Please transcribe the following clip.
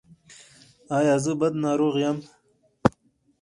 ایا زه بد ناروغ یم؟